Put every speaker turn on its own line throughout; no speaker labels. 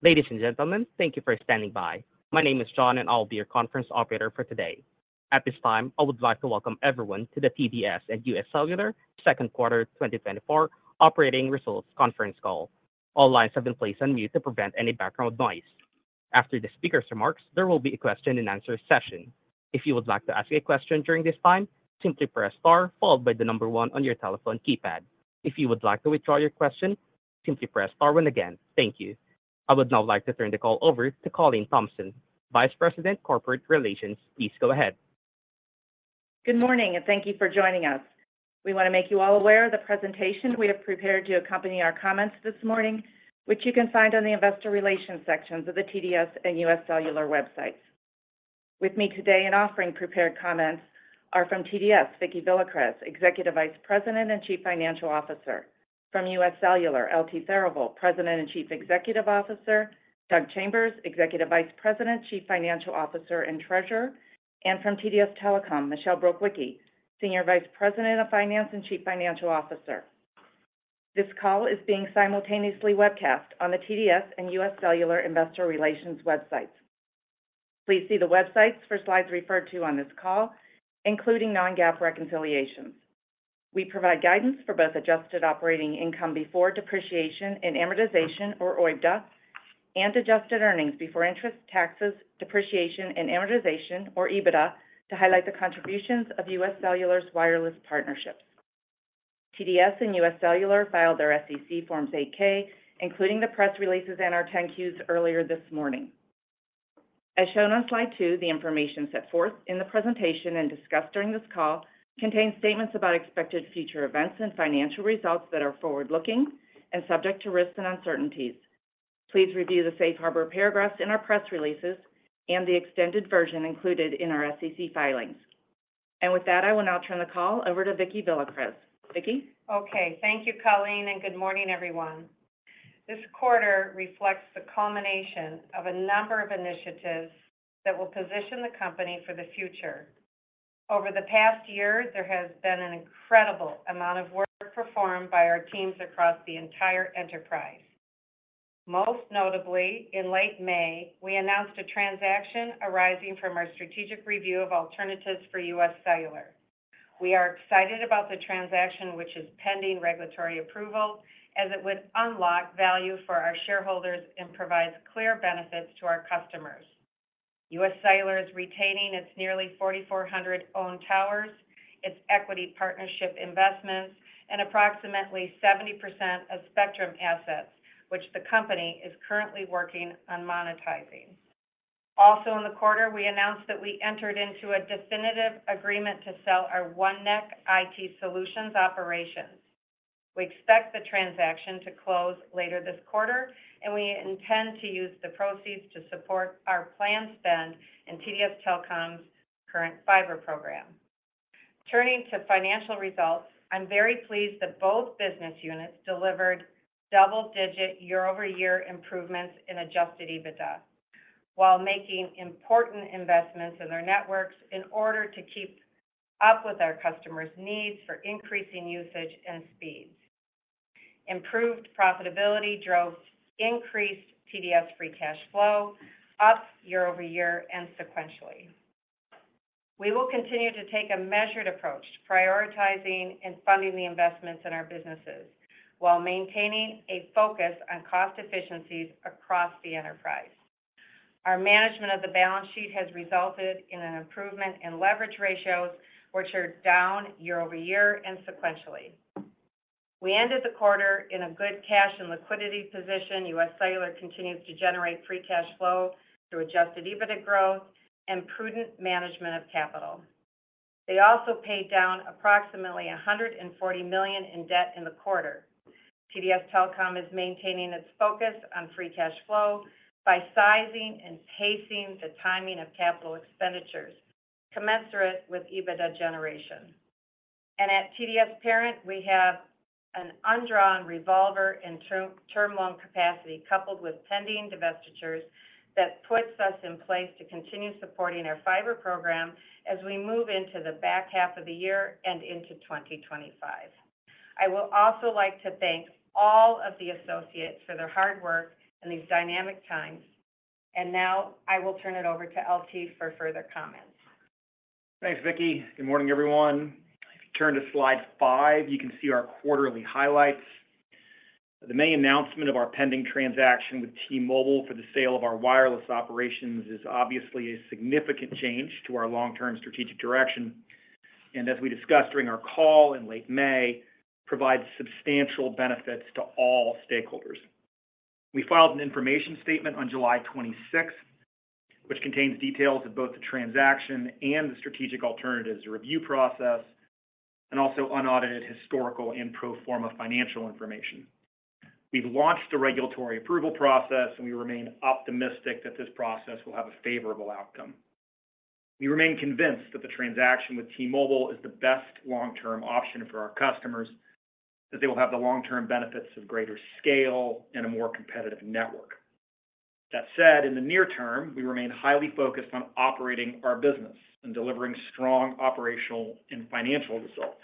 Ladies and gentlemen, thank you for standing by. My name is John, and I'll be your conference operator for today. At this time, I would like to welcome everyone to the TDS and UScellular second quarter 2024 operating results conference call. All lines have been placed on mute to prevent any background noise. After the speaker's remarks, there will be a question-and-answer session. If you would like to ask a question during this time, simply press star, followed by the number one on your telephone keypad. If you would like to withdraw your question, simply press star one again. Thank you. I would now like to turn the call over to Colleen Thompson, Vice President, Corporate Relations. Please go ahead.
Good morning, and thank you for joining us. We want to make you all aware of the presentation we have prepared to accompany our comments this morning, which you can find on the Investor Relations sections of the TDS and UScellular websites. With me today and offering prepared comments are from TDS, Vicki Villacrez, Executive Vice President and Chief Financial Officer, from UScellular, LT Therivel, President and Chief Executive Officer. Doug Chambers, Executive Vice President, Chief Financial Officer and Treasurer, and from TDS Telecom, Michelle Brukwicki, Senior Vice President of Finance and Chief Financial Officer. This call is being simultaneously webcast on the TDS and UScellular Investor Relations websites. Please see the websites for slides referred to on this call, including non-GAAP reconciliations. We provide guidance for both adjusted operating income before depreciation and amortization, or OIBDA, and adjusted earnings before interest, taxes, depreciation, and amortization, or EBITDA, to highlight the contributions of UScellular's wireless partnerships. TDS and UScellular filed their SEC Forms 8-K, including the press releases and our Forms 10-Q earlier this morning. As shown on slide two, the information set forth in the presentation and discussed during this call contains statements about expected future events and financial results that are forward-looking and subject to risks and uncertainties. Please review the safe harbor paragraphs in our press releases and the extended version included in our SEC filings. And with that, I will now turn the call over to Vicki Villacrez. Vicki.
Okay. Thank you, Colleen, and good morning, everyone. This quarter reflects the culmination of a number of initiatives that will position the company for the future. Over the past year, there has been an incredible amount of work performed by our teams across the entire enterprise. Most notably, in late May, we announced a transaction arising from our strategic review of alternatives for UScellular. We are excited about the transaction, which is pending regulatory approval, as it would unlock value for our shareholders and provide clear benefits to our customers. UScellular is retaining its nearly 4,400 owned towers, its equity partnership investments, and approximately 70% of spectrum assets, which the company is currently working on monetizing. Also, in the quarter, we announced that we entered into a definitive agreement to sell our OneNeck IT Solutions operations. We expect the transaction to close later this quarter, and we intend to use the proceeds to support our planned spend in TDS Telecom's current fiber program. Turning to financial results, I'm very pleased that both business units delivered double-digit year-over-year improvements in Adjusted EBITDA while making important investments in their networks in order to keep up with our customers' needs for increasing usage and speeds. Improved profitability drove increased TDS free cash flow up year-over-year and sequentially. We will continue to take a measured approach to prioritizing and funding the investments in our businesses while maintaining a focus on cost efficiencies across the enterprise. Our management of the balance sheet has resulted in an improvement in leverage ratios, which are down year-over-year and sequentially. We ended the quarter in a good cash and liquidity position. UScellular continues to generate free cash flow through Adjusted EBITDA growth and prudent management of capital. They also paid down approximately $140 million in debt in the quarter. TDS Telecom is maintaining its focus on free cash flow by sizing and pacing the timing of capital expenditures commensurate with EBITDA generation. At TDS Parent, we have an undrawn revolver and term loan capacity coupled with pending divestitures that puts us in place to continue supporting our fiber program as we move into the back half of the year and into 2025. I would also like to thank all of the associates for their hard work in these dynamic times. Now I will turn it over to LT for further comments.
Thanks, Vicki. Good morning, everyone. If you turn to slide five, you can see our quarterly highlights. The main announcement of our pending transaction with T-Mobile for the sale of our wireless operations is obviously a significant change to our long-term strategic direction. And as we discussed during our call in late May, it provides substantial benefits to all stakeholders. We filed an information statement on July 26th, which contains details of both the transaction and the strategic alternatives review process, and also unaudited historical and pro forma financial information. We've launched the regulatory approval process, and we remain optimistic that this process will have a favorable outcome. We remain convinced that the transaction with T-Mobile is the best long-term option for our customers, as they will have the long-term benefits of greater scale and a more competitive network. That said, in the near term, we remain highly focused on operating our business and delivering strong operational and financial results.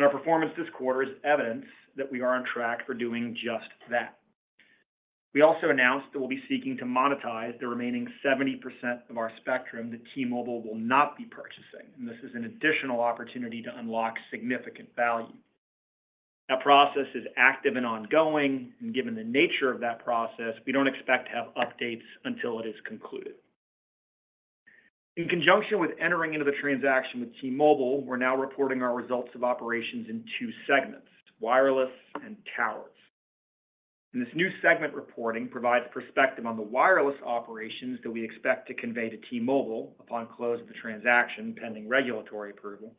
Our performance this quarter is evidence that we are on track for doing just that. We also announced that we'll be seeking to monetize the remaining 70% of our spectrum that T-Mobile will not be purchasing. This is an additional opportunity to unlock significant value. That process is active and ongoing. Given the nature of that process, we don't expect to have updates until it is concluded. In conjunction with entering into the transaction with T-Mobile, we're now reporting our results of operations in two segments: wireless and towers. This new segment reporting provides perspective on the wireless operations that we expect to convey to T-Mobile upon close of the transaction pending regulatory approval,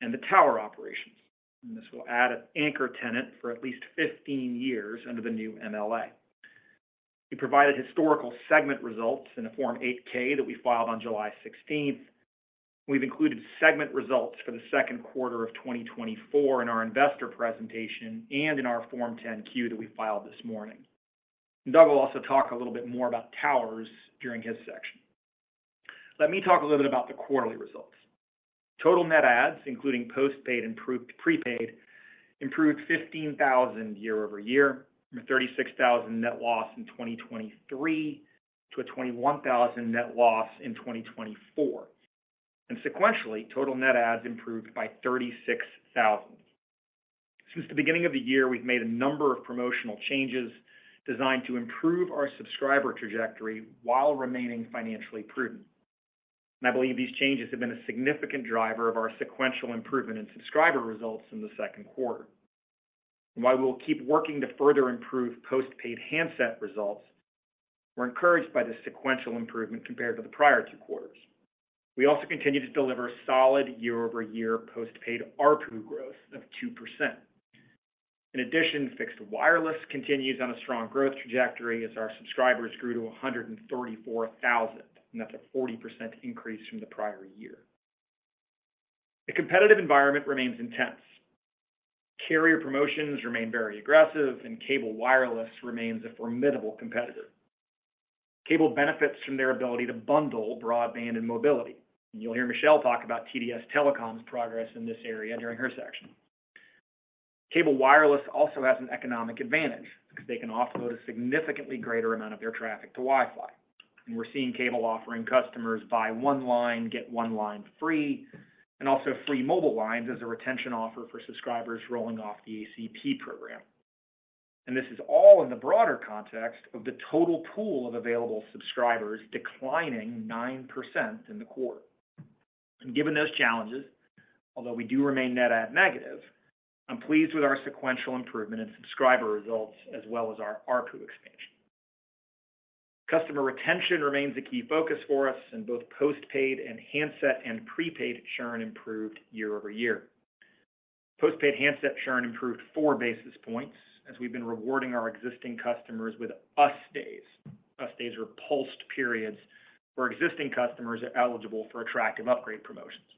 and the tower operations. This will add an anchor tenant for at least 15 years under the new MLA. We provided historical segment results in a Form 8-K that we filed on July 16th. We've included segment results for the second quarter of 2024 in our investor presentation and in our Form 10-Q that we filed this morning. Doug will also talk a little bit more about towers during his section. Let me talk a little bit about the quarterly results. Total net adds, including postpaid and prepaid, improved 15,000 year-over-year from a 36,000 net loss in 2023 to a 21,000 net loss in 2024. And sequentially, total net adds improved by 36,000. Since the beginning of the year, we've made a number of promotional changes designed to improve our subscriber trajectory while remaining financially prudent. I believe these changes have been a significant driver of our sequential improvement in subscriber results in the second quarter. While we'll keep working to further improve postpaid handset results, we're encouraged by the sequential improvement compared to the prior two quarters. We also continue to deliver solid year-over-year postpaid ARPU growth of 2%. In addition, fixed wireless continues on a strong growth trajectory as our subscribers grew to 134,000, and that's a 40% increase from the prior year. The competitive environment remains intense. Carrier promotions remain very aggressive, and cable wireless remains a formidable competitor. Cable benefits from their ability to bundle broadband and mobility. You'll hear Michelle talk about TDS Telecom's progress in this area during her section. Cable wireless also has an economic advantage because they can offload a significantly greater amount of their traffic to Wi-Fi. We're seeing cable offering customers buy one line, get one line free, and also free mobile lines as a retention offer for subscribers rolling off the ACP program. This is all in the broader context of the total pool of available subscribers declining 9% in the quarter. Given those challenges, although we do remain net add negative, I'm pleased with our sequential improvement in subscriber results as well as our ARPU expansion. Customer retention remains a key focus for us, and both postpaid and handset and prepaid churn improved year-over-year. Postpaid handset churn improved four basis points as we've been rewarding our existing customers with US Days. US Days are pulsed periods where existing customers are eligible for attractive upgrade promotions.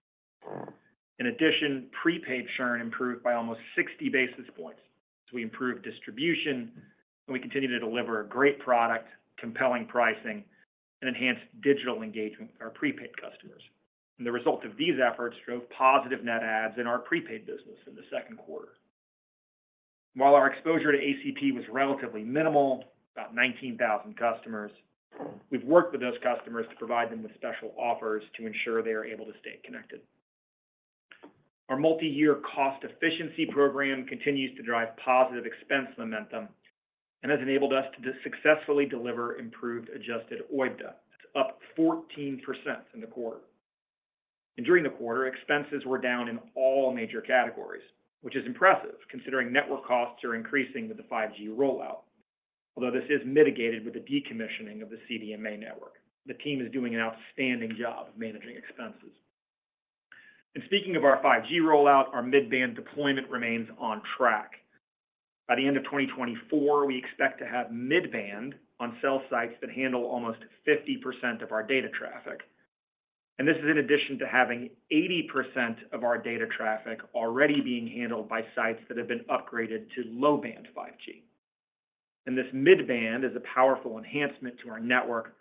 In addition, prepaid churn improved by almost 60 basis points as we improved distribution, and we continue to deliver a great product, compelling pricing, and enhanced digital engagement with our prepaid customers. The result of these efforts drove positive net adds in our prepaid business in the second quarter. While our exposure to ACP was relatively minimal, about 19,000 customers, we've worked with those customers to provide them with special offers to ensure they are able to stay connected. Our multi-year cost efficiency program continues to drive positive expense momentum and has enabled us to successfully deliver improved Adjusted OIBDA, up 14% in the quarter. During the quarter, expenses were down in all major categories, which is impressive considering network costs are increasing with the 5G rollout, although this is mitigated with the decommissioning of the CDMA network. The team is doing an outstanding job of managing expenses. Speaking of our 5G rollout, our mid-band deployment remains on track. By the end of 2024, we expect to have mid-band on cell sites that handle almost 50% of our data traffic. And this is in addition to having 80% of our data traffic already being handled by sites that have been upgraded to low-band 5G. And this mid-band is a powerful enhancement to our network,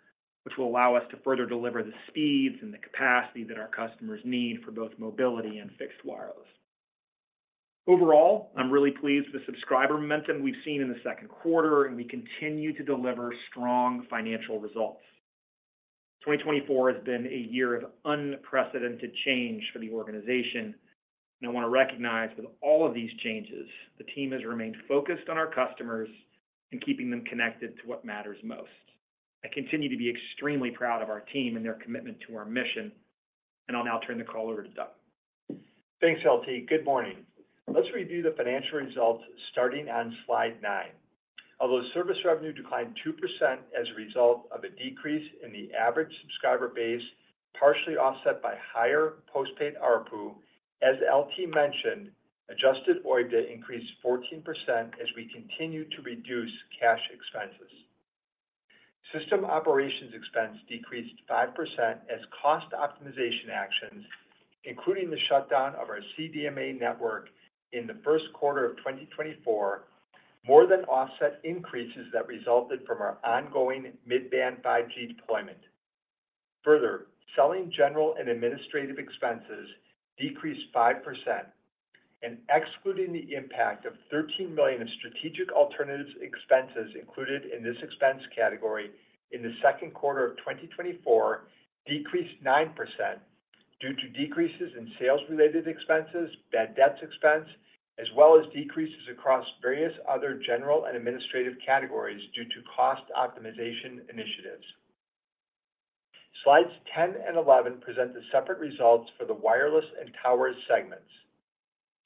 which will allow us to further deliver the speeds and the capacity that our customers need for both mobility and fixed wireless. Overall, I'm really pleased with the subscriber momentum we've seen in the second quarter, and we continue to deliver strong financial results. 2024 has been a year of unprecedented change for the organization. And I want to recognize with all of these changes, the team has remained focused on our customers and keeping them connected to what matters most. I continue to be extremely proud of our team and their commitment to our mission. I'll now turn the call over to Doug.
Thanks, LT Good morning. Let's review the financial results starting on slide nine. Although service revenue declined 2% as a result of a decrease in the average subscriber base, partially offset by higher postpaid ARPU, as LT mentioned, Adjusted OIBDA increased 14% as we continue to reduce cash expenses. System operations expense decreased 5% as cost optimization actions, including the shutdown of our CDMA network in the first quarter of 2024, more than offset increases that resulted from our ongoing mid-band 5G deployment. Further, selling general and administrative expenses decreased 5%. And excluding the impact of $13 million of strategic alternatives expenses included in this expense category in the second quarter of 2024, decreased 9% due to decreases in sales-related expenses, bad debts expense, as well as decreases across various other general and administrative categories due to cost optimization initiatives. Slides 10 and 11 present the separate results for the wireless and towers segments.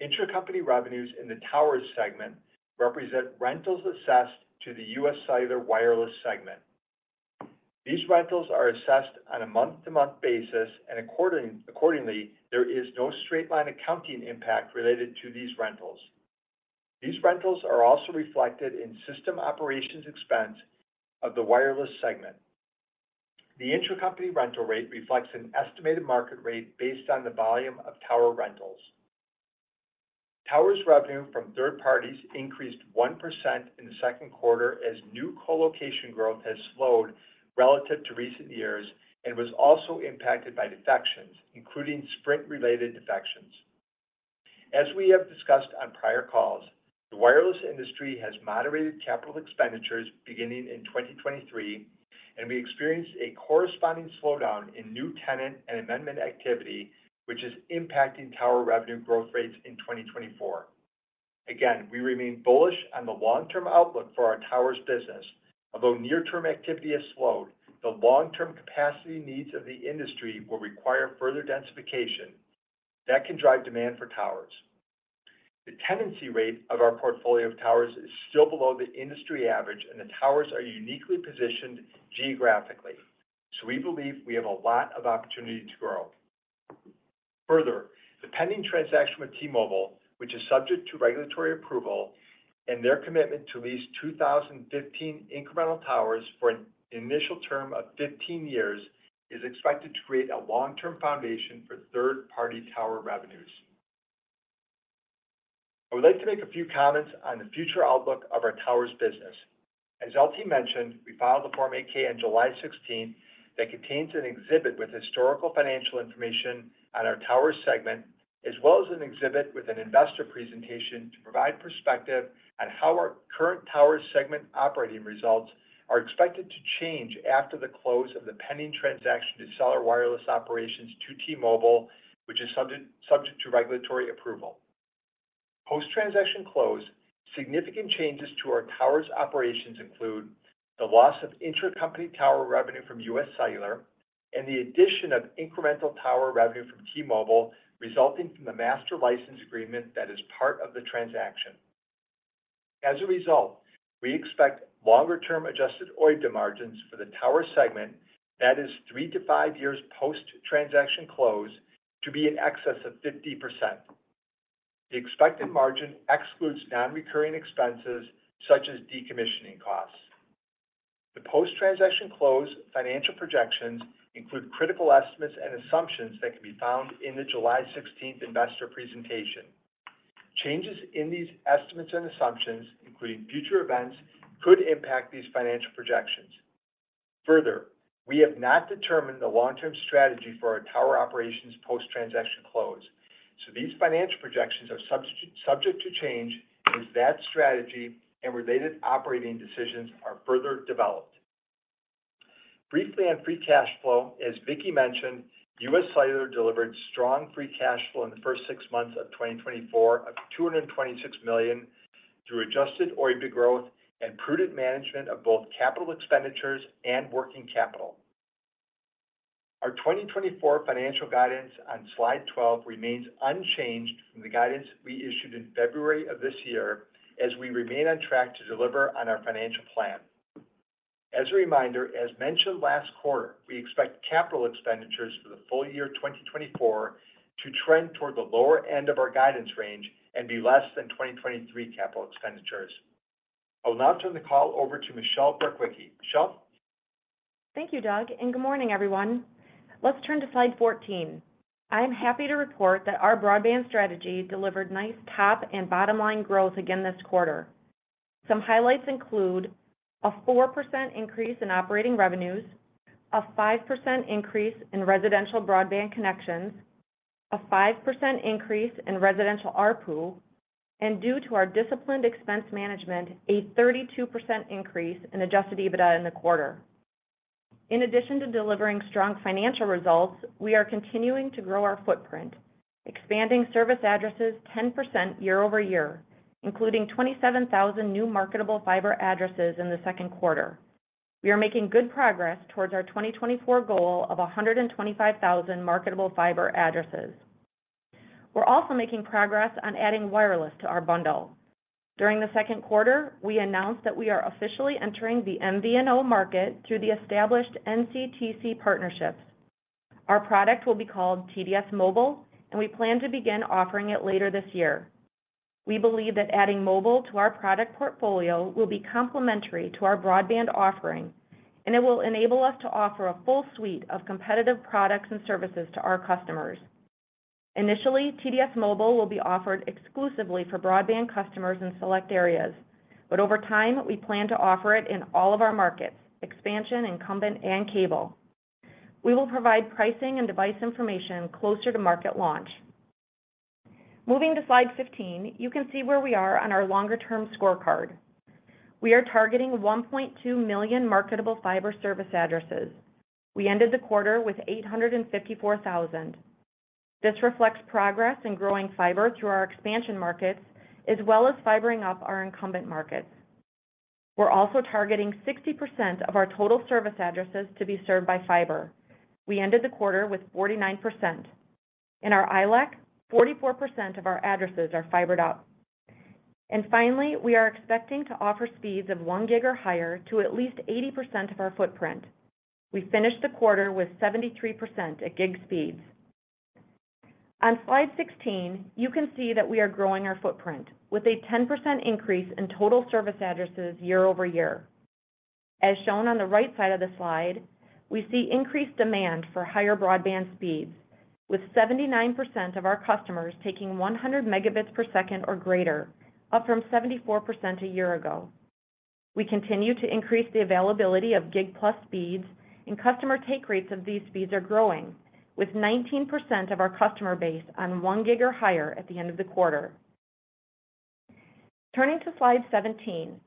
Intercompany revenues in the towers segment represent rentals assessed to the UScellular wireless segment. These rentals are assessed on a month-to-month basis, and accordingly, there is no straight-line accounting impact related to these rentals. These rentals are also reflected in system operations expense of the wireless segment. The intercompany rental rate reflects an estimated market rate based on the volume of tower rentals. Towers revenue from third parties increased 1% in the second quarter as new colocation growth has slowed relative to recent years and was also impacted by defections, including Sprint-related defections. As we have discussed on prior calls, the wireless industry has moderated capital expenditures beginning in 2023, and we experienced a corresponding slowdown in new tenant and amendment activity, which is impacting tower revenue growth rates in 2024. Again, we remain bullish on the long-term outlook for our towers business. Although near-term activity has slowed, the long-term capacity needs of the industry will require further densification. That can drive demand for towers. The tenancy rate of our portfolio of towers is still below the industry average, and the towers are uniquely positioned geographically. So we believe we have a lot of opportunity to grow. Further, the pending transaction with T-Mobile, which is subject to regulatory approval, and their commitment to lease 2,015 incremental towers for an initial term of 15 years is expected to create a long-term foundation for third-party tower revenues. I would like to make a few comments on the future outlook of our towers business. As LT mentioned, we filed the Form 8-K on July 16th that contains an exhibit with historical financial information on our towers segment, as well as an exhibit with an investor presentation to provide perspective on how our current towers segment operating results are expected to change after the close of the pending transaction to sell our wireless operations to T-Mobile, which is subject to regulatory approval. Post-transaction close, significant changes to our towers operations include the loss of intercompany tower revenue from UScellular and the addition of incremental tower revenue from T-Mobile resulting from the master license agreement that is part of the transaction. As a result, we expect longer-term Adjusted OIBDA margins for the tower segment, that is, three to five years post-transaction close, to be in excess of 50%. The expected margin excludes non-recurring expenses such as decommissioning costs. The post-transaction close financial projections include critical estimates and assumptions that can be found in the July 16th investor presentation. Changes in these estimates and assumptions, including future events, could impact these financial projections. Further, we have not determined the long-term strategy for our tower operations post-transaction close. So these financial projections are subject to change as that strategy and related operating decisions are further developed. Briefly on free cash flow, as Vicki mentioned, UScellular delivered strong free cash flow in the first six months of 2024 of $226 million through Adjusted OIBDA growth and prudent management of both capital expenditures and working capital. Our 2024 financial guidance on slide 12 remains unchanged from the guidance we issued in February of this year as we remain on track to deliver on our financial plan. As a reminder, as mentioned last quarter, we expect capital expenditures for the full year 2024 to trend toward the lower end of our guidance range and be less than 2023 capital expenditures. I will now turn the call over to Michelle Brukwicki. Michelle?
Thank you, Doug. And good morning, everyone. Let's turn to slide 14. I am happy to report that our broadband strategy delivered nice top and bottom-line growth again this quarter. Some highlights include a 4% increase in operating revenues, a 5% increase in residential broadband connections, a 5% increase in residential ARPU, and due to our disciplined expense management, a 32% increase in Adjusted EBITDA in the quarter. In addition to delivering strong financial results, we are continuing to grow our footprint, expanding service addresses 10% year-over-year, including 27,000 new marketable fiber addresses in the second quarter. We are making good progress towards our 2024 goal of 125,000 marketable fiber addresses. We're also making progress on adding wireless to our bundle. During the second quarter, we announced that we are officially entering the MVNO market through the established NCTC partnerships. Our product will be called TDS Mobile, and we plan to begin offering it later this year. We believe that adding mobile to our product portfolio will be complementary to our broadband offering, and it will enable us to offer a full suite of competitive products and services to our customers. Initially, TDS Mobile will be offered exclusively for broadband customers in select areas, but over time, we plan to offer it in all of our markets: expansion, incumbent, and cable. We will provide pricing and device information closer to market launch. Moving to slide 15, you can see where we are on our longer-term scorecard. We are targeting 1.2 million marketable fiber service addresses. We ended the quarter with 854,000. This reflects progress in growing fiber through our expansion markets as well as fibering up our incumbent markets. We're also targeting 60% of our total service addresses to be served by fiber. We ended the quarter with 49%. In our ILEC, 44% of our addresses are fibered up. And finally, we are expecting to offer speeds of 1 gig or higher to at least 80% of our footprint. We finished the quarter with 73% at gig speeds. On slide 16, you can see that we are growing our footprint with a 10% increase in total service addresses year-over-year. As shown on the right side of the slide, we see increased demand for higher broadband speeds, with 79% of our customers taking 100 Mbps or greater, up from 74% a year ago. We continue to increase the availability of gig-plus speeds, and customer take rates of these speeds are growing, with 19% of our customer base on 1 gig or higher at the end of the quarter. Turning to slide 17,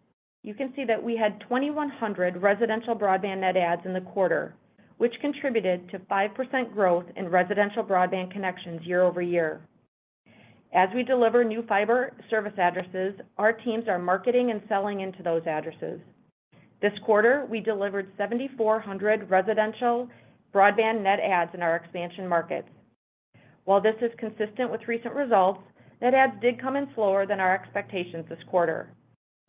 you can see that we had 2,100 residential broadband net adds in the quarter, which contributed to 5% growth in residential broadband connections year-over-year. As we deliver new fiber service addresses, our teams are marketing and selling into those addresses. This quarter, we delivered 7,400 residential broadband net adds in our expansion markets. While this is consistent with recent results, net adds did come in slower than our expectations this quarter.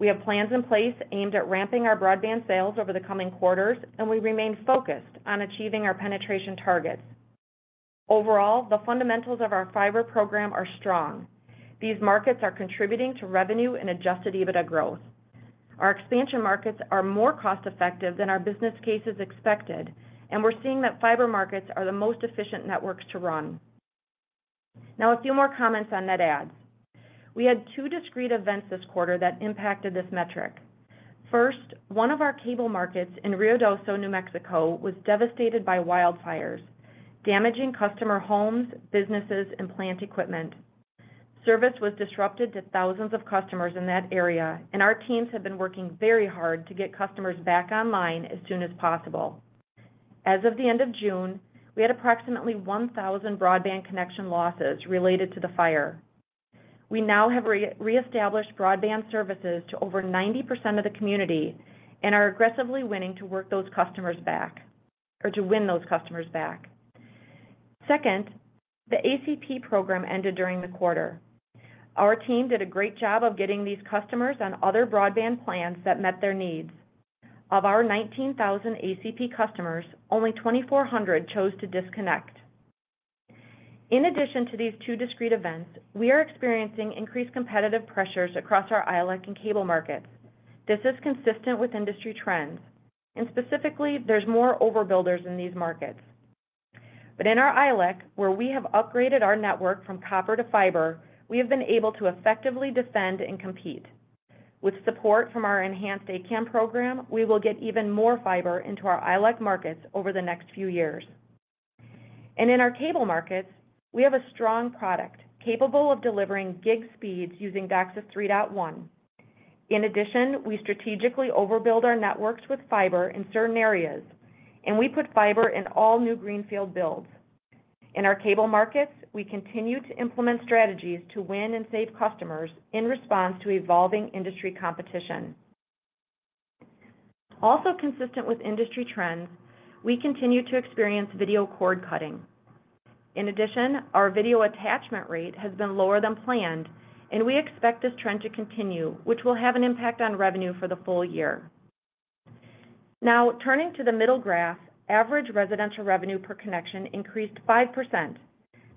We have plans in place aimed at ramping our broadband sales over the coming quarters, and we remain focused on achieving our penetration targets. Overall, the fundamentals of our fiber program are strong. These markets are contributing to revenue and Adjusted EBITDA growth. Our expansion markets are more cost-effective than our business cases expected, and we're seeing that fiber markets are the most efficient networks to run. Now, a few more comments on net adds. We had two discreet events this quarter that impacted this metric. First, one of our cable markets in Ruidoso, New Mexico, was devastated by wildfires, damaging customer homes, businesses, and plant equipment. Service was disrupted to thousands of customers in that area, and our teams have been working very hard to get customers back online as soon as possible. As of the end of June, we had approximately 1,000 broadband connection losses related to the fire. We now have reestablished broadband services to over 90% of the community and are aggressively working to win those customers back. Second, the ACP program ended during the quarter. Our team did a great job of getting these customers on other broadband plans that met their needs. Of our 19,000 ACP customers, only 2,400 chose to disconnect. In addition to these two discrete events, we are experiencing increased competitive pressures across our ILEC and cable markets. This is consistent with industry trends. Specifically, there's more overbuilders in these markets. But in our ILEC, where we have upgraded our network from copper to fiber, we have been able to effectively defend and compete. With support from our Enhanced A-CAM program, we will get even more fiber into our ILEC markets over the next few years. In our cable markets, we have a strong product capable of delivering gig speeds using DOCSIS 3.1. In addition, we strategically overbuild our networks with fiber in certain areas, and we put fiber in all new greenfield builds. In our cable markets, we continue to implement strategies to win and save customers in response to evolving industry competition. Also consistent with industry trends, we continue to experience video cord cutting. In addition, our video attachment rate has been lower than planned, and we expect this trend to continue, which will have an impact on revenue for the full year. Now, turning to the middle graph, average residential revenue per connection increased 5%.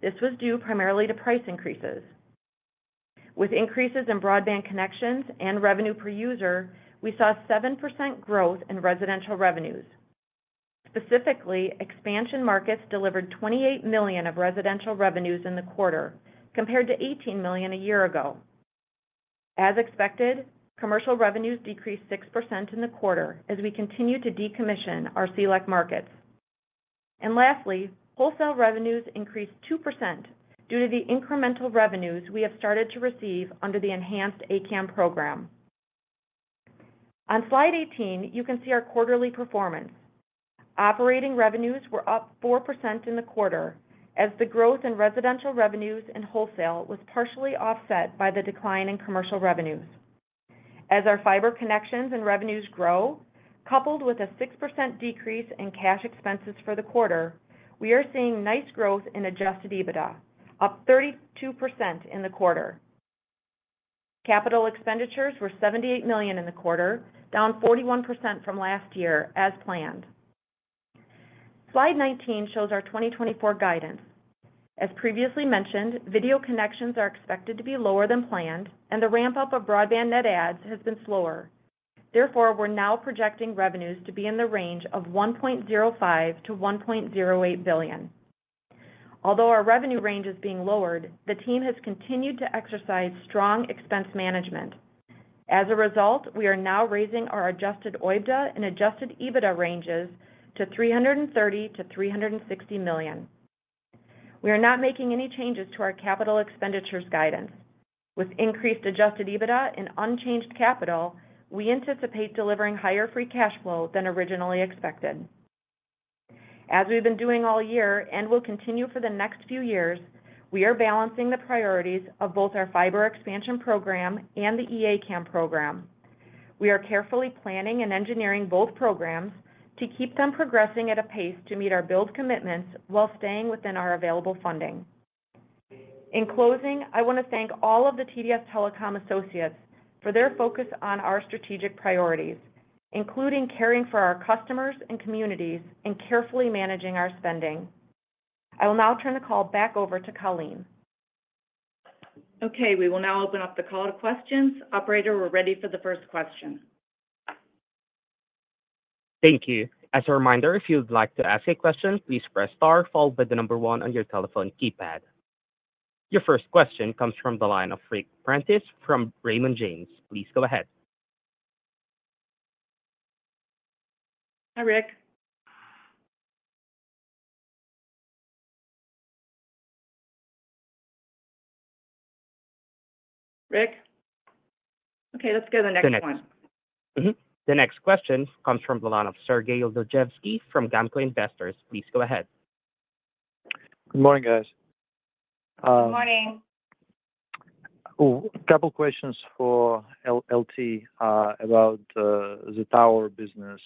This was due primarily to price increases. With increases in broadband connections and revenue per user, we saw 7% growth in residential revenues. Specifically, expansion markets delivered $28 million of residential revenues in the quarter, compared to $18 million a year ago. As expected, commercial revenues decreased 6% in the quarter as we continue to decommission our CLEC markets. Lastly, wholesale revenues increased 2% due to the incremental revenues we have started to receive under the Enhanced A-CAM program. On slide 18, you can see our quarterly performance. Operating revenues were up 4% in the quarter as the growth in residential revenues and wholesale was partially offset by the decline in commercial revenues. As our fiber connections and revenues grow, coupled with a 6% decrease in cash expenses for the quarter, we are seeing nice growth in Adjusted EBITDA, up 32% in the quarter. Capital expenditures were $78 million in the quarter, down 41% from last year, as planned. Slide 19 shows our 2024 guidance. As previously mentioned, video connections are expected to be lower than planned, and the ramp-up of broadband net adds has been slower. Therefore, we're now projecting revenues to be in the range of $1.05 billion-$1.08 billion. Although our revenue range is being lowered, the team has continued to exercise strong expense management. As a result, we are now raising our Adjusted OIBDA and Adjusted EBITDA ranges to $330 million-$360 million. We are not making any changes to our capital expenditures guidance. With increased Adjusted EBITDA and unchanged capital, we anticipate delivering higher free cash flow than originally expected. As we've been doing all year and will continue for the next few years, we are balancing the priorities of both our fiber expansion program and the E-ACAM program. We are carefully planning and engineering both programs to keep them progressing at a pace to meet our build commitments while staying within our available funding. In closing, I want to thank all of the TDS Telecom associates for their focus on our strategic priorities, including caring for our customers and communities and carefully managing our spending. I will now turn the call back over to Colleen.
Okay. We will now open up the call to questions. Operator, we're ready for the first question.
Thank you. As a reminder, if you'd like to ask a question, please press star followed by the number one on your telephone keypad. Your first question comes from the line of Ric Prentiss from Raymond James. Please go ahead.
Hi, Ric. Ric? Okay. Let's go to the next one.
The next question comes from the line of Sergey Dluzhevskiy from GAMCO Investors. Please go ahead.
Good morning, guys.
Good morning.
Couple of questions for LT about the tower business.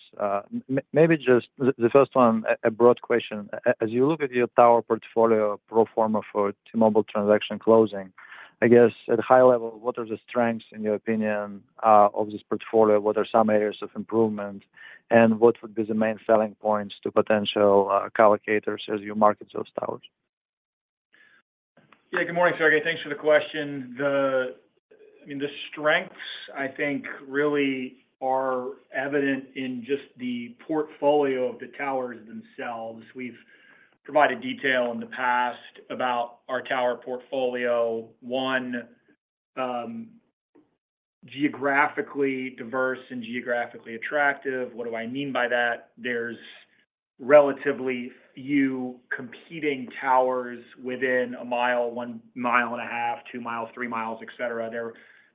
Maybe just the first one, a broad question. As you look at your tower portfolio pro forma for T-Mobile transaction closing, I guess at a high level, what are the strengths, in your opinion, of this portfolio? What are some areas of improvement, and what would be the main selling points to potential colocators as you market those towers?
Yeah. Good morning, Sergey. Thanks for the question. I mean, the strengths, I think, really are evident in just the portfolio of the towers themselves. We've provided detail in the past about our tower portfolio. One, geographically diverse and geographically attractive. What do I mean by that? There's relatively few competing towers within 1 mile, 1.5 miles, 2 miles, 3 miles, etc.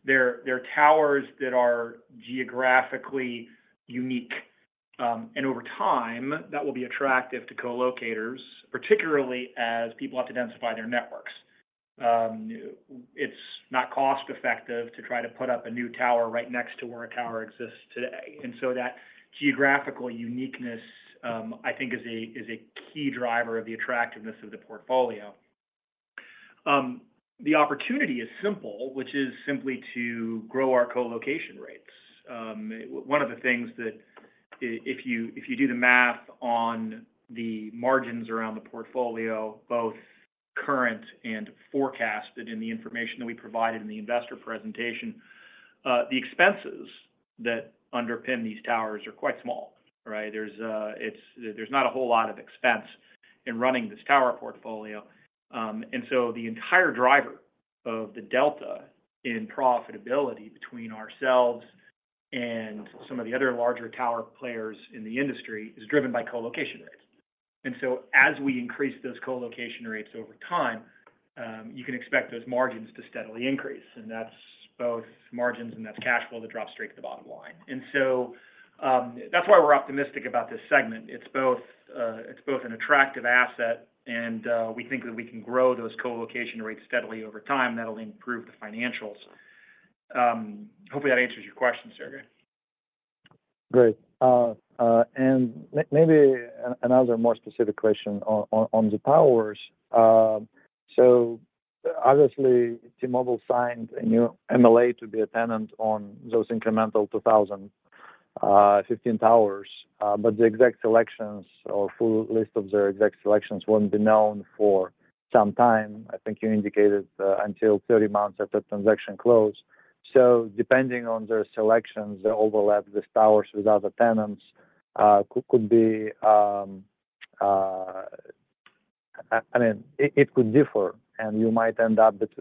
They're towers that are geographically unique. And over time, that will be attractive to colocators, particularly as people have to densify their networks. It's not cost-effective to try to put up a new tower right next to where a tower exists today. And so that geographical uniqueness, I think, is a key driver of the attractiveness of the portfolio. The opportunity is simple, which is simply to grow our colocation rates. One of the things that if you do the math on the margins around the portfolio, both current and forecasted in the information that we provided in the investor presentation, the expenses that underpin these towers are quite small, right? There's not a whole lot of expense in running this tower portfolio. And so the entire driver of the delta in profitability between ourselves and some of the other larger tower players in the industry is driven by colocation rates. And so as we increase those colocation rates over time, you can expect those margins to steadily increase. And that's both margins and that's cash flow that drops straight to the bottom line. And so that's why we're optimistic about this segment. It's both an attractive asset, and we think that we can grow those colocation rates steadily over time. That'll improve the financials. Hopefully, that answers your question, Sergey.
Great. And maybe another more specific question on the towers. So obviously, T-Mobile signed a new MLA to be a tenant on those incremental 2,015 towers. But the exact selections or full list of their exact selections won't be known for some time. I think you indicated until 30 months after transaction close. So depending on their selections, they overlap these towers with other tenants. Could be I mean, it could differ, and you might end up with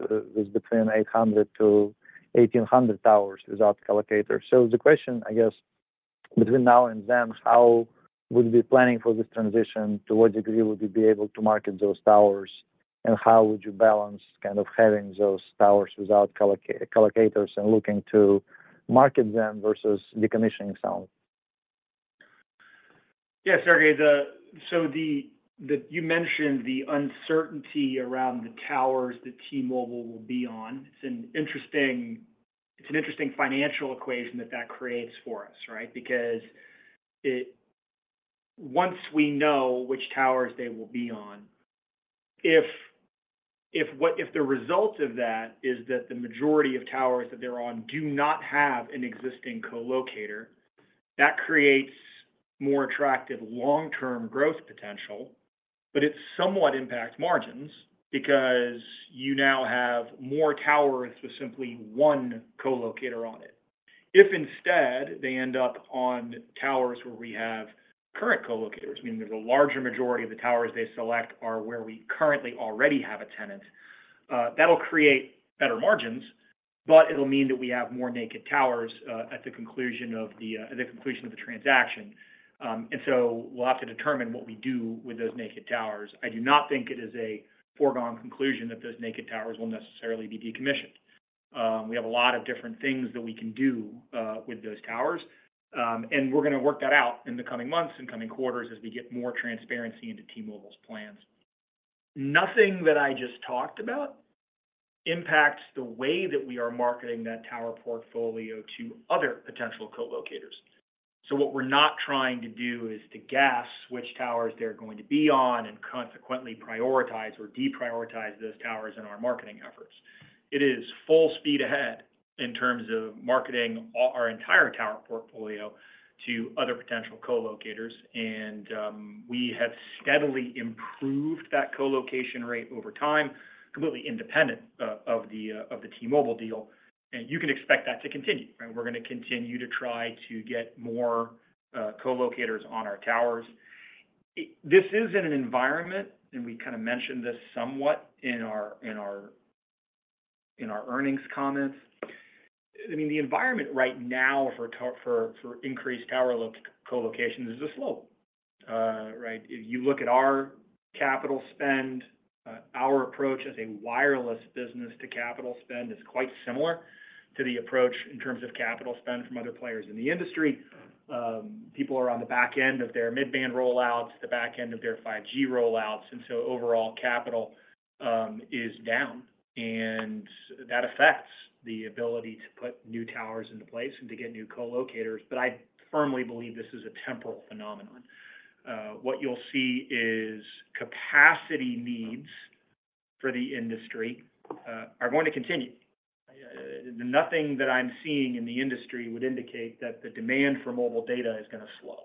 between 800-1,800 towers without colocators. So the question, I guess, between now and then, how would we be planning for this transition? To what degree would you be able to market those towers, and how would you balance kind of having those towers without colocators and looking to market them versus decommissioning some?
Yeah, Sergey. So you mentioned the uncertainty around the towers that T-Mobile will be on. It's an interesting financial equation that that creates for us, right? Because once we know which towers they will be on, if the result of that is that the majority of towers that they're on do not have an existing colocator, that creates more attractive long-term growth potential, but it somewhat impacts margins because you now have more towers with simply one colocator on it. If instead they end up on towers where we have current colocators, meaning the larger majority of the towers they select are where we currently already have a tenant, that'll create better margins, but it'll mean that we have more naked towers at the conclusion of the transaction. And so we'll have to determine what we do with those naked towers. I do not think it is a foregone conclusion that those naked towers will necessarily be decommissioned. We have a lot of different things that we can do with those towers, and we're going to work that out in the coming months and coming quarters as we get more transparency into T-Mobile's plans. Nothing that I just talked about impacts the way that we are marketing that tower portfolio to other potential colocators. So what we're not trying to do is to guess which towers they're going to be on and consequently prioritize or deprioritize those towers in our marketing efforts. It is full speed ahead in terms of marketing our entire tower portfolio to other potential colocators. We have steadily improved that colocation rate over time, completely independent of the T-Mobile deal. You can expect that to continue. We're going to continue to try to get more colocators on our towers. This is in an environment, and we kind of mentioned this somewhat in our earnings comments. I mean, the environment right now for increased tower colocations is a slope, right? If you look at our capital spend, our approach as a wireless business to capital spend is quite similar to the approach in terms of capital spend from other players in the industry. People are on the back end of their mid-band rollouts, the back end of their 5G rollouts. And so overall, capital is down, and that affects the ability to put new towers into place and to get new colocators. But I firmly believe this is a temporal phenomenon. What you'll see is capacity needs for the industry are going to continue. Nothing that I'm seeing in the industry would indicate that the demand for mobile data is going to slow.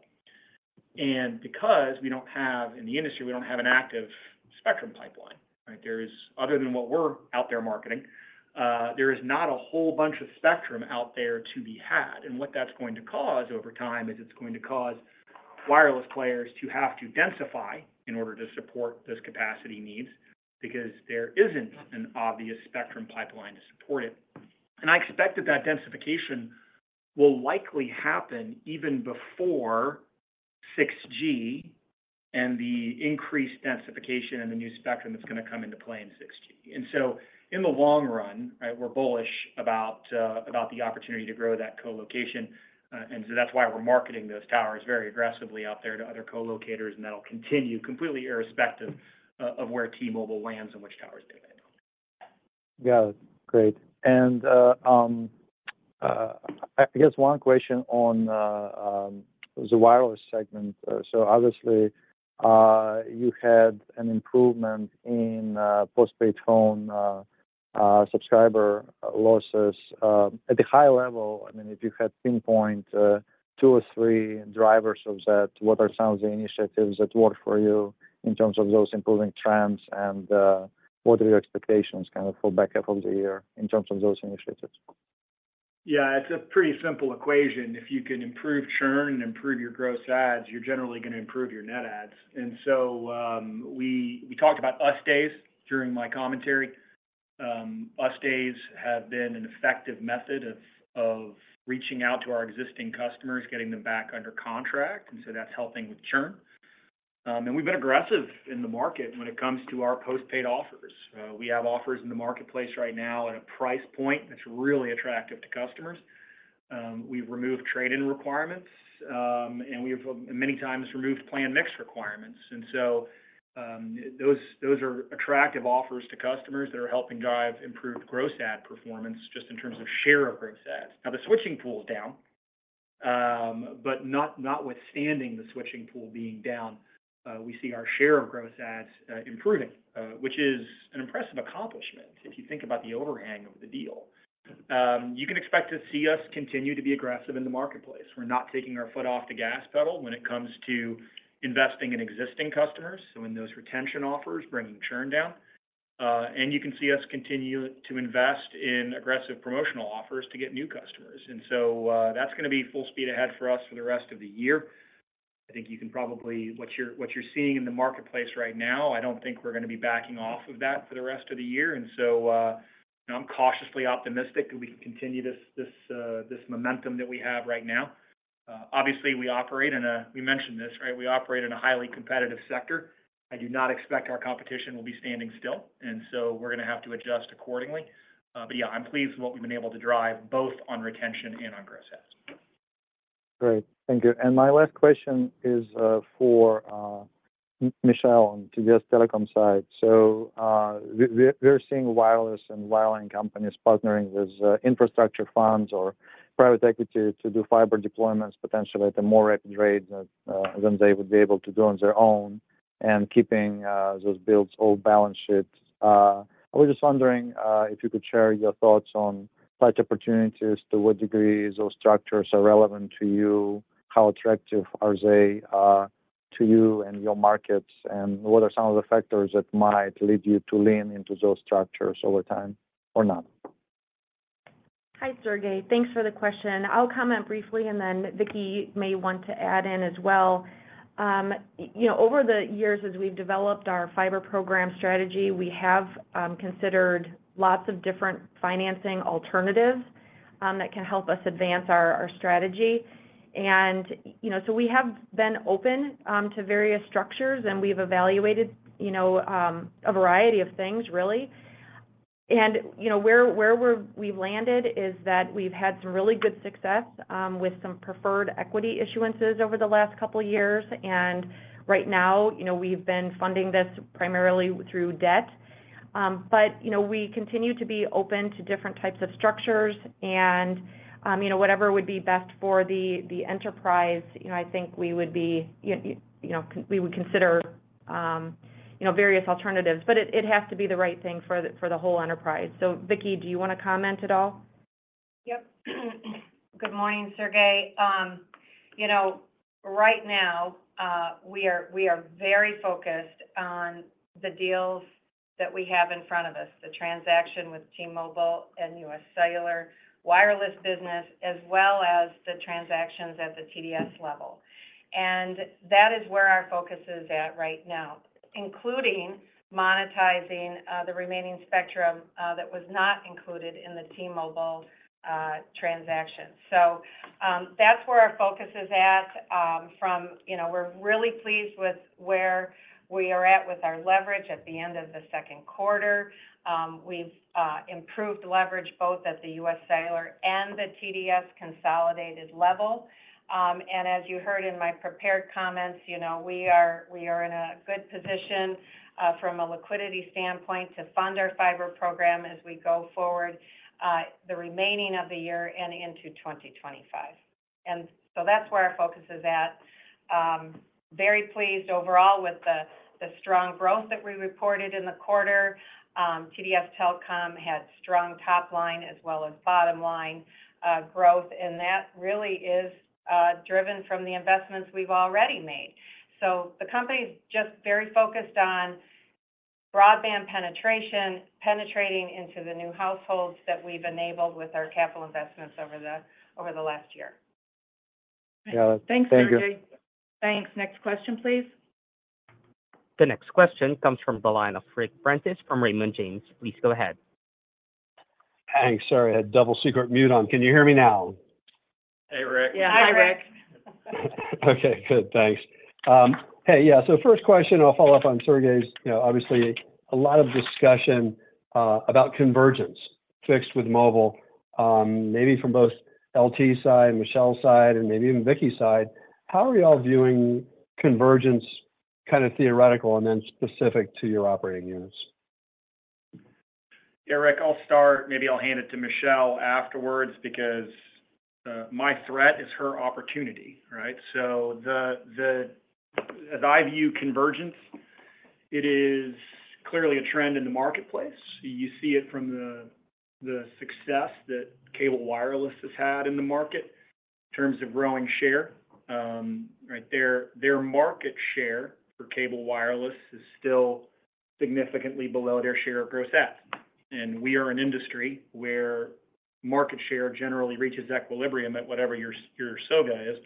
And because we don't have in the industry, we don't have an active spectrum pipeline, right? Other than what we're out there marketing, there is not a whole bunch of spectrum out there to be had. And what that's going to cause over time is it's going to cause wireless players to have to densify in order to support those capacity needs because there isn't an obvious spectrum pipeline to support it. And I expect that that densification will likely happen even before 6G and the increased densification and the new spectrum that's going to come into play in 6G. And so in the long run, right, we're bullish about the opportunity to grow that colocation. And so that's why we're marketing those towers very aggressively out there to other colocators, and that'll continue completely irrespective of where T-Mobile lands and which towers they land on.
Yeah. Great. And I guess one question on the wireless segment. So obviously, you had an improvement in postpaid phone subscriber losses. At the high level, I mean, if you had pinpoint two or three drivers of that, what are some of the initiatives that work for you in terms of those improving trends? And what are your expectations kind of for back half of the year in terms of those initiatives?
Yeah. It's a pretty simple equation. If you can improve churn and improve your gross adds, you're generally going to improve your net adds. And so we talked about US Days during my commentary. US Days have been an effective method of reaching out to our existing customers, getting them back under contract. And so that's helping with churn. And we've been aggressive in the market when it comes to our postpaid offers. We have offers in the marketplace right now at a price point that's really attractive to customers. We've removed trade-in requirements, and we have many times removed plan mix requirements. And so those are attractive offers to customers that are helping drive improved gross adds performance just in terms of share of gross adds. Now, the switching pool is down, but notwithstanding the switching pool being down, we see our share of gross adds improving, which is an impressive accomplishment if you think about the overhang of the deal. You can expect to see us continue to be aggressive in the marketplace. We're not taking our foot off the gas pedal when it comes to investing in existing customers. So in those retention offers, bringing churn down. And you can see us continue to invest in aggressive promotional offers to get new customers. And so that's going to be full speed ahead for us for the rest of the year. I think you can probably what you're seeing in the marketplace right now, I don't think we're going to be backing off of that for the rest of the year. So I'm cautiously optimistic that we can continue this momentum that we have right now. Obviously, we operate in a we mentioned this, right? We operate in a highly competitive sector. I do not expect our competition will be standing still. So we're going to have to adjust accordingly. But yeah, I'm pleased with what we've been able to drive both on retention and on gross adds.
Great. Thank you. And my last question is for Michelle on TDS Telecom side. So we're seeing wireless and wireline companies partnering with infrastructure funds or private equity to do fiber deployments potentially at a more rapid rate than they would be able to do on their own and keeping those builds all balanced ships. I was just wondering if you could share your thoughts on such opportunities, to what degree those structures are relevant to you, how attractive are they to you and your markets, and what are some of the factors that might lead you to lean into those structures over time or not?
Hi, Sergey. Thanks for the question. I'll comment briefly, and then Vicki may want to add in as well. Over the years, as we've developed our fiber program strategy, we have considered lots of different financing alternatives that can help us advance our strategy. So we have been open to various structures, and we've evaluated a variety of things, really. Where we've landed is that we've had some really good success with some preferred equity issuances over the last couple of years. Right now, we've been funding this primarily through debt. We continue to be open to different types of structures. Whatever would be best for the enterprise, I think we would be we would consider various alternatives. It has to be the right thing for the whole enterprise. So Vicki, do you want to comment at all?
Yep. Good morning, Sergey. Right now, we are very focused on the deals that we have in front of us, the transaction with T-Mobile and UScellular wireless business, as well as the transactions at the TDS level. That is where our focus is at right now, including monetizing the remaining spectrum that was not included in the T-Mobile transaction. So that's where our focus is at. We're really pleased with where we are at with our leverage at the end of the second quarter. We've improved leverage both at the UScellular and the TDS consolidated level. As you heard in my prepared comments, we are in a good position from a liquidity standpoint to fund our fiber program as we go forward the remaining of the year and into 2025. So that's where our focus is at. Very pleased overall with the strong growth that we reported in the quarter. TDS Telecom had strong top line as well as bottom line growth, and that really is driven from the investments we've already made. The company's just very focused on broadband penetration into the new households that we've enabled with our capital investments over the last year.
Thanks, Sergey.
Thanks. Next question, please.
The next question comes from the line of Ric Prentiss from Raymond James. Please go ahead.
Thanks. Sorry, I had double secret mute on. Can you hear me now?
Hey, Ric.
Yeah. Hi, Ric.
Okay. Good. Thanks. Hey, yeah. So first question, I'll follow up on Sergey's. Obviously, a lot of discussion about convergence fixed with mobile, maybe from both LT side, Michelle's side, and maybe even Vicki's side. How are y'all viewing convergence kind of theoretical and then specific to your operating units?
Yeah, Ric, I'll start. Maybe I'll hand it to Michelle afterwards because my threat is her opportunity, right? So as I view convergence, it is clearly a trend in the marketplace. You see it from the success that cable wireless has had in the market in terms of growing share, right? Their market share for cable wireless is still significantly below their share of gross adds. And we are an industry where market share generally reaches equilibrium at whatever your SOGA is.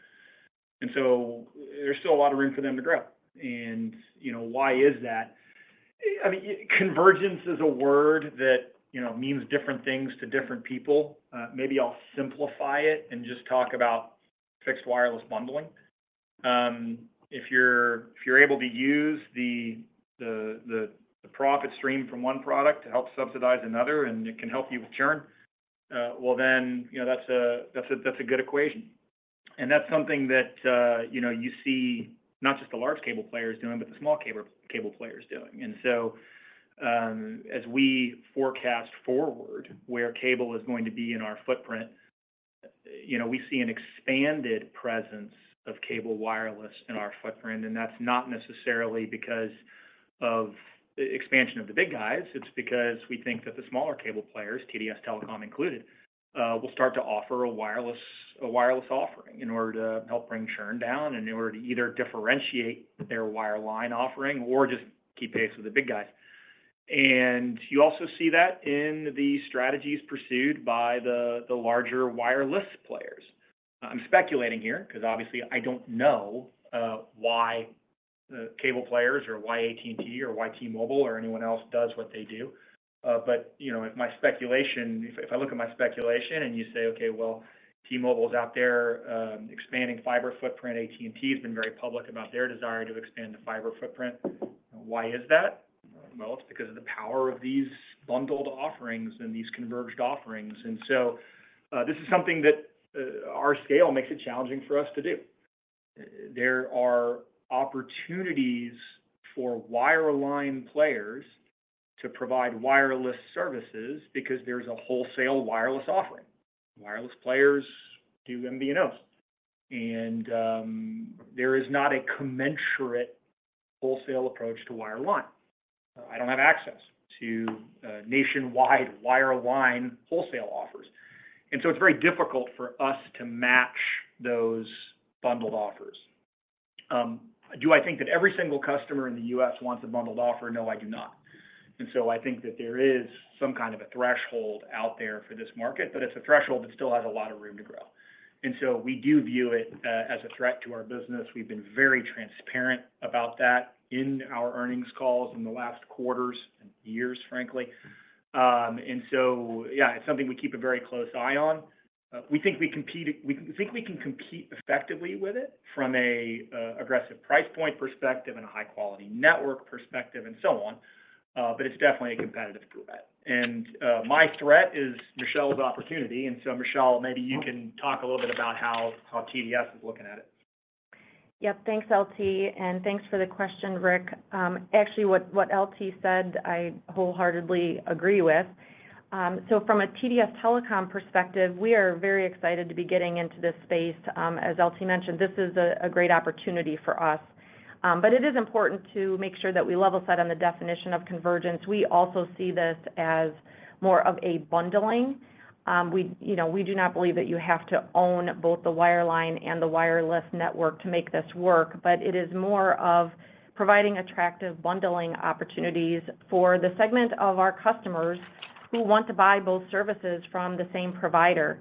And so there's still a lot of room for them to grow. And why is that? I mean, convergence is a word that means different things to different people. Maybe I'll simplify it and just talk about fixed wireless bundling. If you're able to use the profit stream from one product to help subsidize another and it can help you with churn, well, then that's a good equation. And that's something that you see not just the large cable players doing, but the small cable players doing. And so as we forecast forward where cable is going to be in our footprint, we see an expanded presence of cable wireless in our footprint. And that's not necessarily because of the expansion of the big guys. It's because we think that the smaller cable players, TDS Telecom included, will start to offer a wireless offering in order to help bring churn down and in order to either differentiate their wireline offering or just keep pace with the big guys. And you also see that in the strategies pursued by the larger wireless players. I'm speculating here because obviously, I don't know why cable players or why AT&T or why T-Mobile or anyone else does what they do. But if my speculation, if I look at my speculation and you say, "Okay, well, T-Mobile is out there expanding fiber footprint, AT&T has been very public about their desire to expand the fiber footprint." Why is that? Well, it's because of the power of these bundled offerings and these converged offerings. And so this is something that our scale makes it challenging for us to do. There are opportunities for wireline players to provide wireless services because there's a wholesale wireless offering. Wireless players do MVNOs. And there is not a commensurate wholesale approach to wireline. I don't have access to nationwide wireline wholesale offers. And so it's very difficult for us to match those bundled offers. Do I think that every single customer in the US wants a bundled offer? No, I do not. And so I think that there is some kind of a threshold out there for this market, but it's a threshold that still has a lot of room to grow. And so we do view it as a threat to our business. We've been very transparent about that in our earnings calls in the last quarters and years, frankly. And so, yeah, it's something we keep a very close eye on. We think we can compete effectively with it from an aggressive price point perspective and a high-quality network perspective and so on. But it's definitely a competitive threat. And my threat is Michelle's opportunity. And so, Michelle, maybe you can talk a little bit about how TDS is looking at it.
Yep. Thanks, LT. Thanks for the question, Ric. Actually, what LT said, I wholeheartedly agree with. From a TDS Telecom perspective, we are very excited to be getting into this space. As LT mentioned, this is a great opportunity for us. It is important to make sure that we level set on the definition of convergence. We also see this as more of a bundling. We do not believe that you have to own both the wireline and the wireless network to make this work. It is more of providing attractive bundling opportunities for the segment of our customers who want to buy both services from the same provider.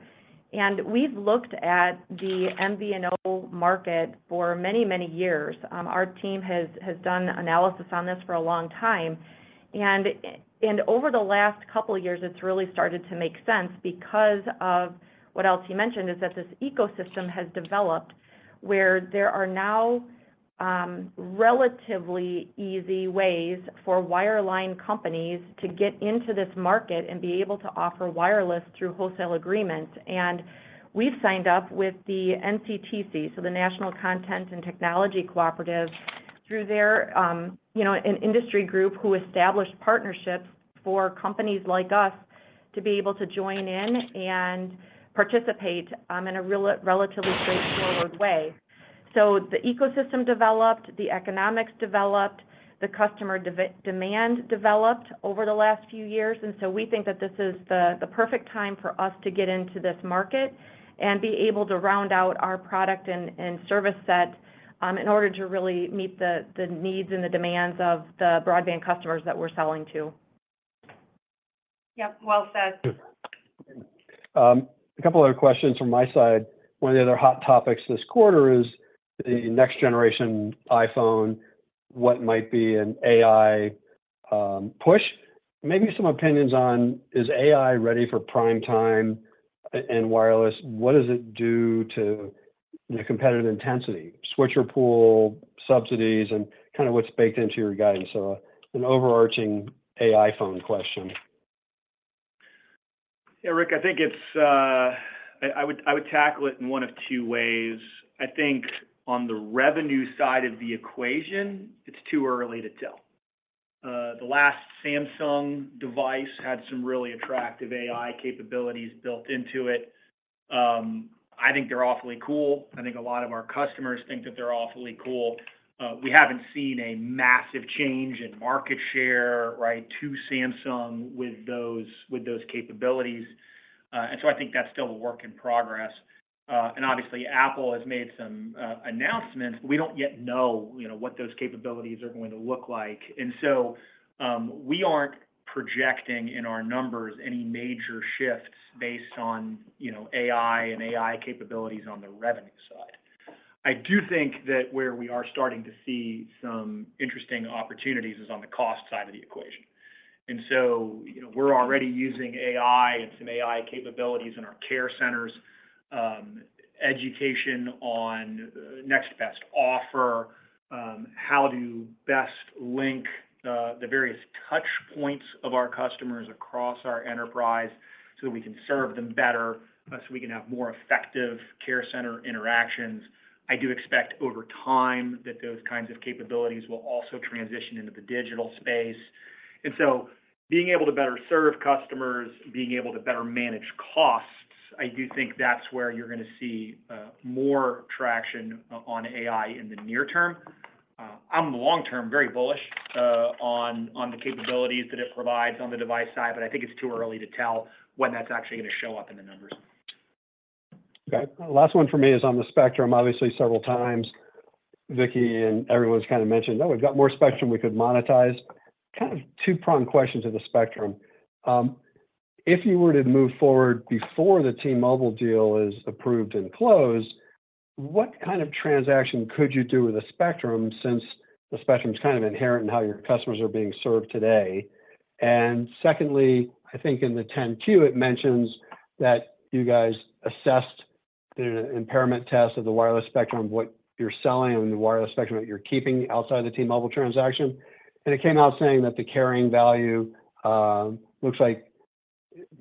We've looked at the MVNO market for many, many years. Our team has done analysis on this for a long time. Over the last couple of years, it's really started to make sense because of what LT mentioned is that this ecosystem has developed where there are now relatively easy ways for wireline companies to get into this market and be able to offer wireless through wholesale agreements. We've signed up with the NCTC, so the National Content and Technology Cooperative, through their industry group who established partnerships for companies like us to be able to join in and participate in a relatively straightforward way. The ecosystem developed, the economics developed, the customer demand developed over the last few years. We think that this is the perfect time for us to get into this market and be able to round out our product and service set in order to really meet the needs and the demands of the broadband customers that we're selling to.
Yep. Well said.
A couple of other questions from my side. One of the other hot topics this quarter is the next generation iPhone, what might be an AI push. Maybe some opinions on, is AI ready for prime time and wireless? What does it do to the competitive intensity, switcher pool, subsidies, and kind of what's baked into your guidance? So an overarching AI phone question.
Yeah, Ric, I think I would tackle it in one of two ways. I think on the revenue side of the equation, it's too early to tell. The last Samsung device had some really attractive AI capabilities built into it. I think they're awfully cool. I think a lot of our customers think that they're awfully cool. We haven't seen a massive change in market share, right, to Samsung with those capabilities. And so I think that's still a work in progress. And obviously, Apple has made some announcements, but we don't yet know what those capabilities are going to look like. And so we aren't projecting in our numbers any major shifts based on AI and AI capabilities on the revenue side. I do think that where we are starting to see some interesting opportunities is on the cost side of the equation. We're already using AI and some AI capabilities in our care centers, education on next best offer, how to best link the various touch points of our customers across our enterprise so that we can serve them better, so we can have more effective care center interactions. I do expect over time that those kinds of capabilities will also transition into the digital space. Being able to better serve customers, being able to better manage costs, I do think that's where you're going to see more traction on AI in the near term. I'm long-term very bullish on the capabilities that it provides on the device side, but I think it's too early to tell when that's actually going to show up in the numbers.
Okay. Last one for me is on the spectrum. Obviously, several times, Vicki and everyone's kind of mentioned, "Oh, we've got more spectrum we could monetize." Kind of two-pronged questions of the spectrum. If you were to move forward before the T-Mobile deal is approved and closed, what kind of transaction could you do with the spectrum since the spectrum is kind of inherent in how your customers are being served today? And secondly, I think in the 10-Q, it mentions that you guys assessed the impairment test of the wireless spectrum, what you're selling on the wireless spectrum that you're keeping outside of the T-Mobile transaction. And it came out saying that the carrying value looks like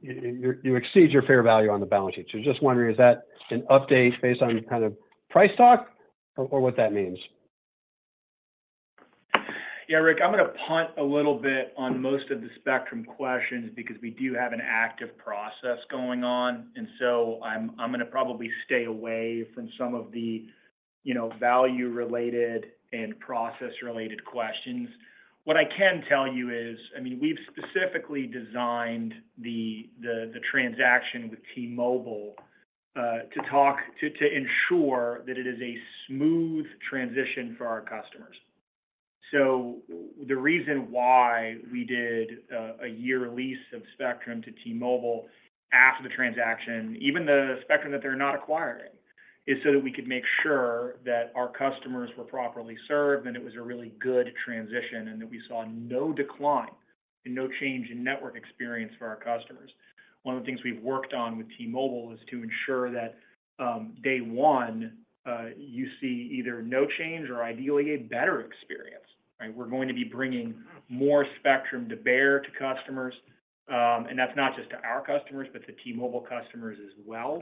you exceed your fair value on the balance sheet. So just wondering, is that an update based on kind of price talk or what that means?
Yeah, Ric, I'm going to punt a little bit on most of the spectrum questions because we do have an active process going on. And so I'm going to probably stay away from some of the value-related and process-related questions. What I can tell you is, I mean, we've specifically designed the transaction with T-Mobile to ensure that it is a smooth transition for our customers. So the reason why we did a year lease of spectrum to T-Mobile after the transaction, even the spectrum that they're not acquiring, is so that we could make sure that our customers were properly served and it was a really good transition and that we saw no decline and no change in network experience for our customers. One of the things we've worked on with T-Mobile is to ensure that day one, you see either no change or ideally a better experience, right? We're going to be bringing more spectrum to bear to customers. And that's not just to our customers, but to T-Mobile customers as well.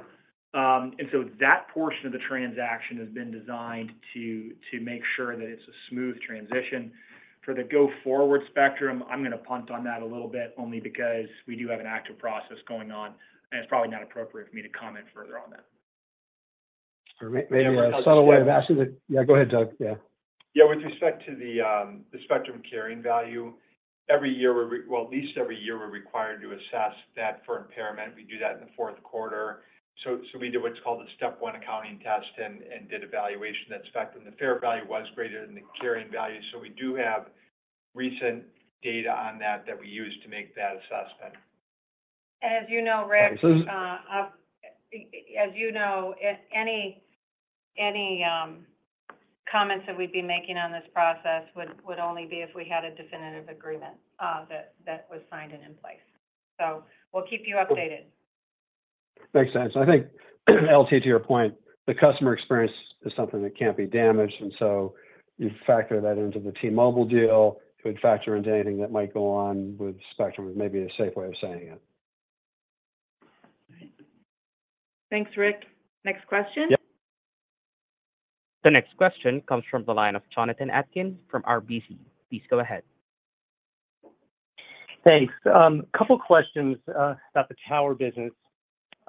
And so that portion of the transaction has been designed to make sure that it's a smooth transition. For the go-forward spectrum, I'm going to punt on that a little bit only because we do have an active process going on, and it's probably not appropriate for me to comment further on that.
Maybe a subtle way of asking that. Yeah, go ahead, Doug. Yeah.
Yeah. With respect to the spectrum carrying value, every year, well, at least every year, we're required to assess that for impairment. We do that in the fourth quarter. So we did what's called a step one accounting test and did evaluation of that spectrum. The fair value was greater than the carrying value. So we do have recent data on that that we use to make that assessment.
As you know, Ric, as you know, any comments that we'd be making on this process would only be if we had a definitive agreement that was signed and in place. So we'll keep you updated.
Makes sense. I think, LT, to your point, the customer experience is something that can't be damaged. And so you factor that into the T-Mobile deal. It would factor into anything that might go on with spectrum, is maybe a safe way of saying it.
Thanks, Ric. Next question.
Yep. The next question comes from the line of Jonathan Atkin from RBC. Please go ahead.
Thanks. A couple of questions about the tower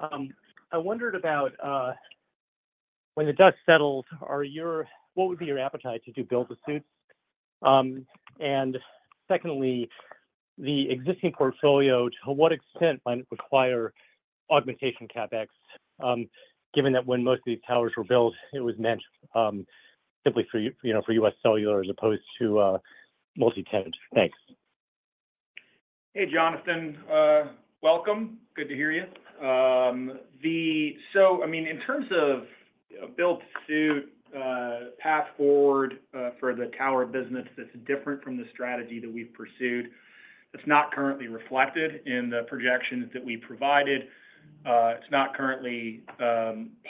business. I wondered about when the dust settles, what would be your appetite to do build-to-suits? And secondly, the existing portfolio, to what extent might it require augmentation CapEx, given that when most of these towers were built, it was meant simply for UScellular as opposed to multi-tenant? Thanks.
Hey, Jonathan. Welcome. Good to hear you. So, I mean, in terms of build-to-suit, path forward for the tower business that's different from the strategy that we've pursued, it's not currently reflected in the projections that we provided. It's not currently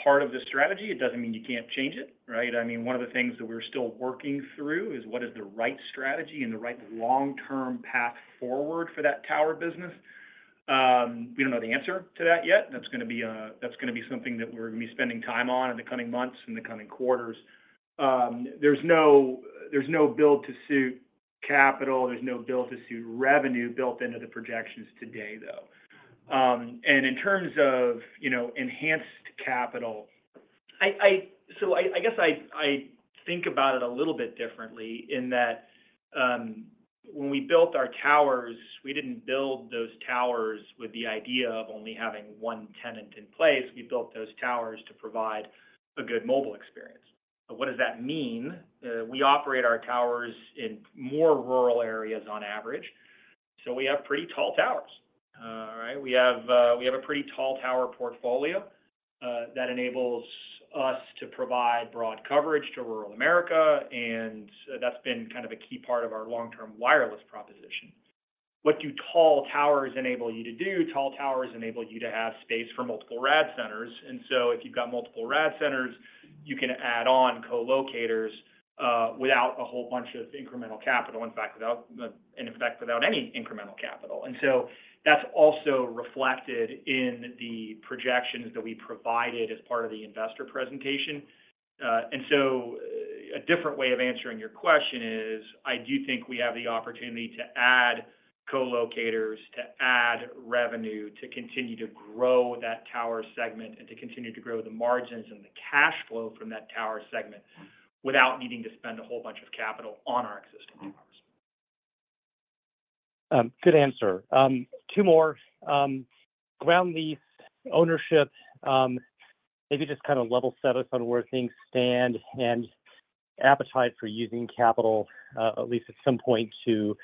part of the strategy. It doesn't mean you can't change it, right? I mean, one of the things that we're still working through is what is the right strategy and the right long-term path forward for that tower business? We don't know the answer to that yet. That's going to be something that we're going to be spending time on in the coming months and the coming quarters. There's no build-to-suit capital. There's no build-to-suit revenue built into the projections today, though. In terms of enhanced capital, so I guess I think about it a little bit differently in that when we built our towers, we didn't build those towers with the idea of only having one tenant in place. We built those towers to provide a good mobile experience. But what does that mean? We operate our towers in more rural areas on average. So we have pretty tall towers, all right? We have a pretty tall tower portfolio that enables us to provide broad coverage to rural America. And that's been kind of a key part of our long-term wireless proposition. What do tall towers enable you to do? Tall towers enable you to have space for multiple rad centers. And so if you've got multiple rad centers, you can add on co-locators without a whole bunch of incremental capital, in fact, without any incremental capital. That's also reflected in the projections that we provided as part of the investor presentation. A different way of answering your question is, I do think we have the opportunity to add colocators, to add revenue, to continue to grow that tower segment, and to continue to grow the margins and the cash flow from that tower segment without needing to spend a whole bunch of capital on our existing towers.
Good answer. Two more. Ground lease ownership, maybe just kind of level set us on where things stand and appetite for using capital, at least at some point, to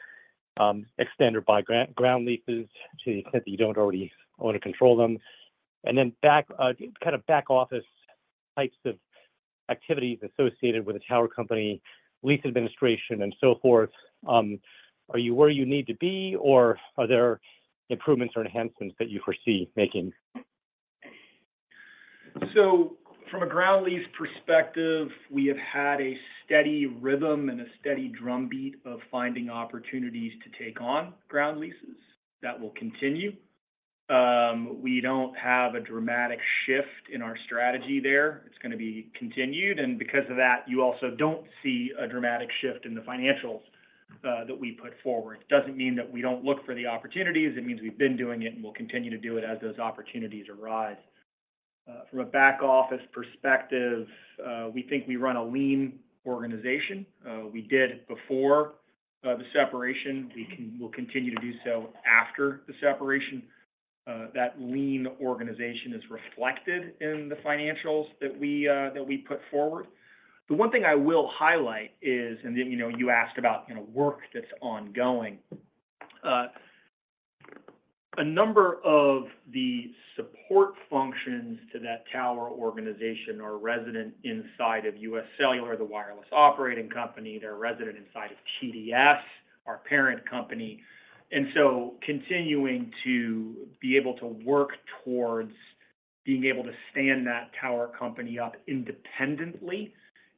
extend or buy ground leases to the extent that you don't already own or control them. And then kind of back office types of activities associated with a tower company, lease administration, and so forth. Are you where you need to be, or are there improvements or enhancements that you foresee making?
So from a ground lease perspective, we have had a steady rhythm and a steady drumbeat of finding opportunities to take on ground leases. That will continue. We don't have a dramatic shift in our strategy there. It's going to be continued. And because of that, you also don't see a dramatic shift in the financials that we put forward. It doesn't mean that we don't look for the opportunities. It means we've been doing it and we'll continue to do it as those opportunities arise. From a back office perspective, we think we run a lean organization. We did before the separation. We will continue to do so after the separation. That lean organization is reflected in the financials that we put forward. The one thing I will highlight is, and you asked about work that's ongoing, a number of the support functions to that tower organization are resident inside of UScellular, the wireless operating company. They're resident inside of TDS, our parent company. And so continuing to be able to work towards being able to stand that tower company up independently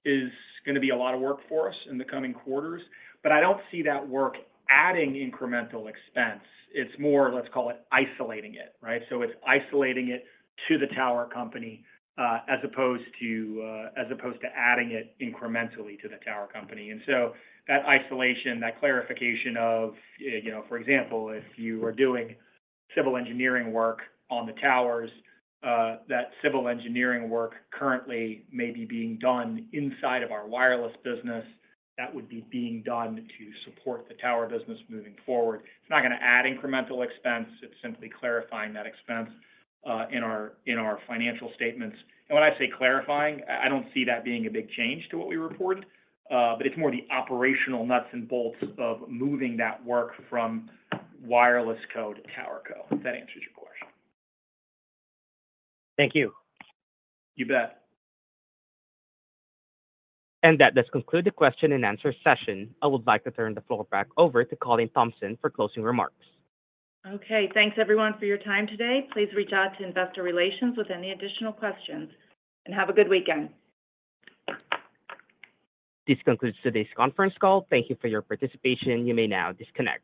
is going to be a lot of work for us in the coming quarters. But I don't see that work adding incremental expense. It's more, let's call it isolating it, right? So it's isolating it to the tower company as opposed to adding it incrementally to the tower company. And so that isolation, that clarification of, for example, if you are doing civil engineering work on the towers, that civil engineering work currently may be being done inside of our wireless business. That would be being done to support the tower business moving forward. It's not going to add incremental expense. It's simply clarifying that expense in our financial statements. And when I say clarifying, I don't see that being a big change to what we reported, but it's more the operational nuts and bolts of moving that work from WirelessCo to TowerCo. If that answers your question.
Thank you.
You bet.
That does conclude the question and answer session. I would like to turn the floor back over to Colleen Thompson for closing remarks.
Okay. Thanks, everyone, for your time today. Please reach out to Investor Relations with any additional questions. Have a good weekend.
This concludes today's conference call. Thank you for your participation. You may now disconnect.